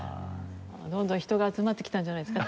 どんどん人が集まってきたんじゃないですか？